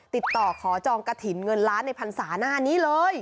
ติดต่อขอจองกระถิ่นเงินล้านในพันศาหน้านี้เลย